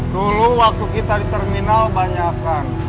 dulu waktu kita di terminal banyakan